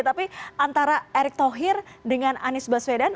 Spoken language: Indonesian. tapi antara erick thohir dengan anies baswedan